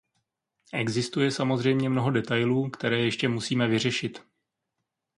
Existuje samozřejmě mnoho detailů, které ještě musíme vyřešit.